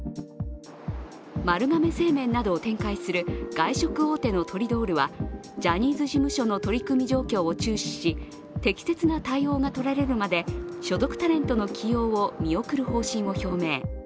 丸亀製麺などを展開する外食大手のトリドールは、ジャニーズ事務所の取り組み状況を注視し、適切な対応がとられるまで所属タレントの起用を見送る方針を表明。